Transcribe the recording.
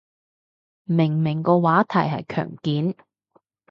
明明個話題係強檢